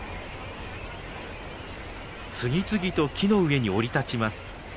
次々と木の上に降り立ちます。